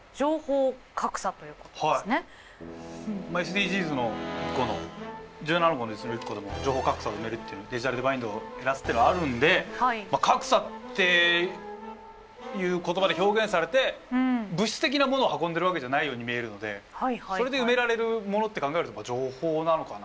ＳＤＧｓの１個の１７個のうちの１個でも情報格差を埋めるっていうのデジタルデバイドを減らすってのはあるんで格差っていう言葉で表現されて物質的なものを運んでるわけじゃないように見えるのでそれで埋められるものって考えると情報なのかな。